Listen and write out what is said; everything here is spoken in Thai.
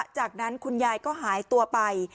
จากนั้นคุณยายก็หายตัวไป